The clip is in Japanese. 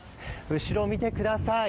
後ろを見てください。